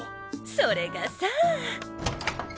それがさあ。